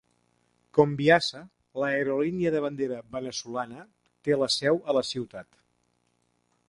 Conviasa, la aerolínia de bandera veneçolana, té la seu a la ciutat.